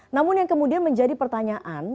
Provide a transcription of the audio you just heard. namun yang kemudian menjadi pertanyaan